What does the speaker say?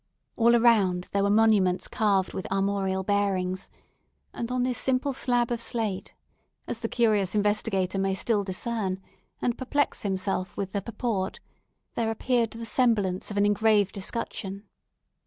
All around, there were monuments carved with armorial bearings; and on this simple slab of slate—as the curious investigator may still discern, and perplex himself with the purport—there appeared the semblance of an engraved escutcheon.